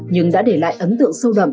nhưng đã để lại ấn tượng sâu đậm